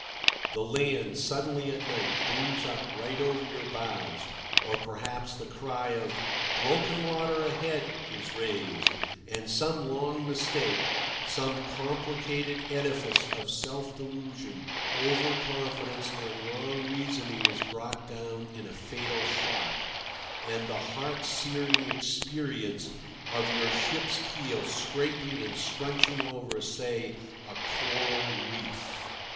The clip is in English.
The land suddenly at night looms up right over your bows, or perhaps the cry of "Broken water ahead!" is raised, and some long mistake, some complicated edifice of self delusion, over confidence, and wrong reasoning is brought down in a fatal shock, and the heart searing experience of your ship's keel scraping and scrunching over, say, a coral reef.